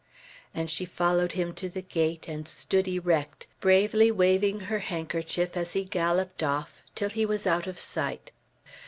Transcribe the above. And she followed him to the gate, and stood erect, bravely waving her handkerchief as he galloped off, till he was out of sight.